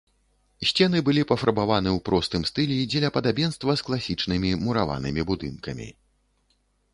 Сцены былі пафарбаваны ў простым -стылі дзеля падабенства з класічнымі мураванымі будынкамі.